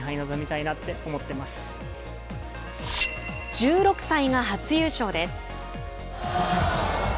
１６歳が初優勝です。